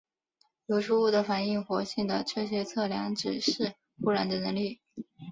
流出物的反应活性的这些测量指示污染的能力。